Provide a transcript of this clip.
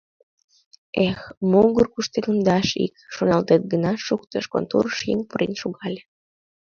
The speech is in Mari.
«Эх, могыр куштылемдаш ик...» — шоналтен гына шуктыш, конторыш еҥ пурен шогале.